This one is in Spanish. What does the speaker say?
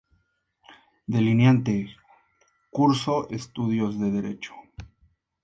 Delineante, cursó estudios de Derecho.